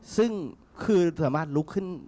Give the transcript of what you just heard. ซึ่งคือถูกสมมติลุกขึ้น